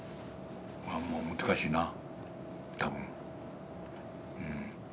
まあもう難しいな多分。